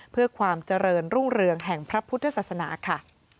เพื่อความเจริญรุ่งเรืองแห่งพระพุทธศาสนาค่ะ